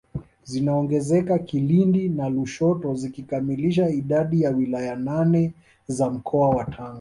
zinaongezeka Kilindi na Lushoto zikikamilisha idadi ya wilaya nane za mkoa wa Tanga